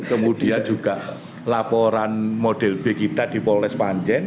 kemudian juga laporan model b kita di polres panjen